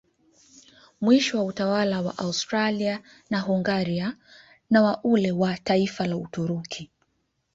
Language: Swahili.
Mwisho wa utawala wa Austria naHungaria na wa ule wa taifa la Uturuki